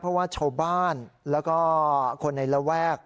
เพราะว่าชาวบ้านแล้วก็คนในระแวก